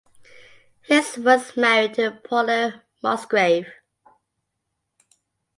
His was married to Pauline Musgrave.